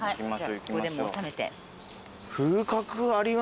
ここでも納めて。